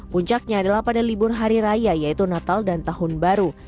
puncaknya adalah pada libur hari raya yaitu natal dan tahun baru